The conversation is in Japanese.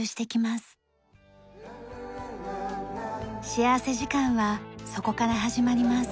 幸福時間はそこから始まります。